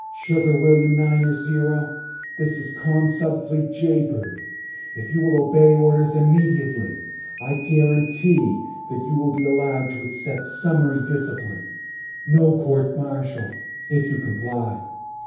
"Sugar William Niner Zero, this is Commsubfleet Jaybird. If you will obey orders immediately, I guarantee that you will be allowed to accept summary discipline. No court martial if you comply.